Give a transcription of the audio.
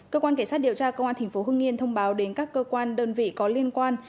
cơ quan cảnh sát điều tra công an tp hưng yên thông báo đến các cơ quan đơn vị có liên quan